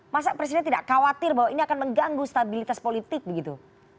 masa presiden tidak khawatir bahwa ini akan mengganggu stabilitas politik begitu